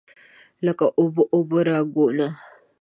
لکه اوبه، اوبه راګونه